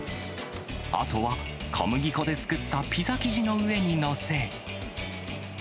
あとは小麦粉で作ったピザ生地の上に載せ。